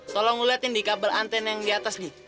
tolong ngeliatin di kabel anten yang di atas nih